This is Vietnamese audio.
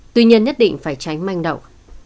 tuy nhiên nhất định phải tránh manh đậu